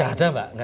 tidak ada mbak